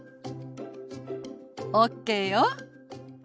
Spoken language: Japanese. ＯＫよ。